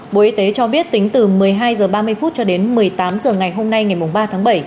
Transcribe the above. bộ y tế cho biết tính từ một mươi hai h ba mươi cho đến một mươi tám h ngày hôm nay ngày ba tháng bảy